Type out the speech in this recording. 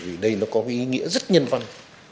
vì đây nó có cái ý nghĩa rất nhân văn